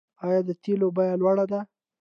آیا د تیلو بیه لوړه ده؟